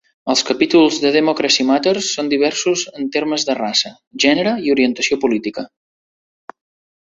Els capítols de Democracy Matters són diversos en termes de raça, gènere i orientació política.